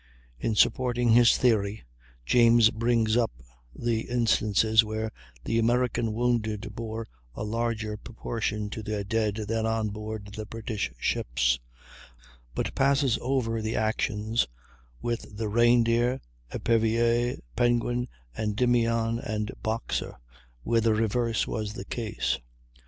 In supporting his theory, James brings up all the instances where the American wounded bore a larger proportion to their dead than on board the British ships, but passes over the actions with the Reindeer, Epervier, Penguin, Endymion, and Boxer, where the reverse was the case.